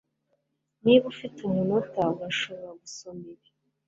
Niba ufite umunota urashobora gusoma ibi